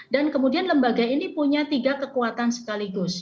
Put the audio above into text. dan kemudian lembaga ini punya tiga kekuatan sekaligus